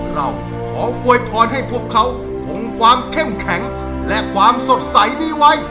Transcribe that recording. เราขออวยพรให้พวกเขาคงความเข้มแข็งและความสดใสนี้ไว้